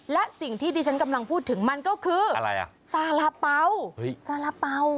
และสิ่งที่ดิฉันกำลังพูดถึงมันก็คืออะไรอ่ะสาระเป๋าสาระเป๋า